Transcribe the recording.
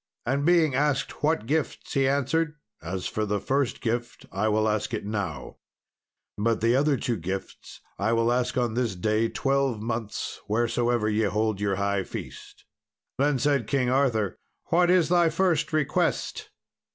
And being asked what gifts, he answered, "As for the first gift I will ask it now, but the other two gifts I will ask on this day twelve months, wheresoever ye hold your high feast." Then said King Arthur, "What is thy first request?"